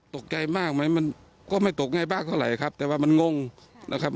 ตกใจมากไหมมันก็ไม่ตกง่ายมากเท่าไหร่ครับแต่ว่ามันงงนะครับ